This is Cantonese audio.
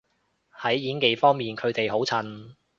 喺演技方面佢哋好襯